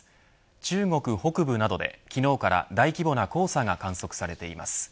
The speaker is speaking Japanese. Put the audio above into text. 中国北部などで昨日から大規模な黄砂が観測されています。